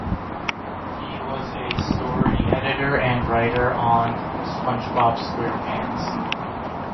He was a story editor and writer on "SpongeBob SquarePants".